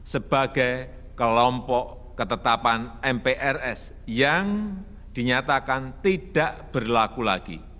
sebagai kelompok ketetapan mprs yang dinyatakan tidak berlaku lagi